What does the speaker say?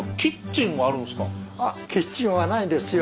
キッチンはないんですよ。